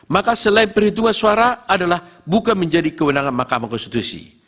maka selain perhitungan suara adalah bukan menjadi kewenangan mahkamah konstitusi